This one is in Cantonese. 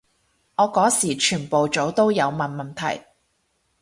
我嗰時全部組都有問問題